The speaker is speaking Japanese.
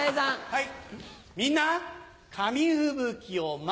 はい。